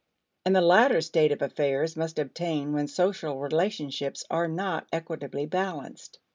And the latter state of affairs must obtain when social relationships are not equitably balanced.